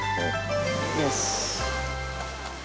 よし。